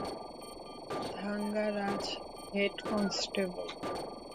Thangaraj, head constable.